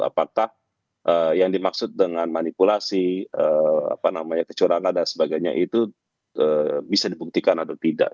apakah yang dimaksud dengan manipulasi kecurangan dan sebagainya itu bisa dibuktikan atau tidak